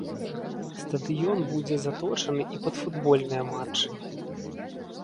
Стадыён будзе заточаны і пад футбольныя матчы.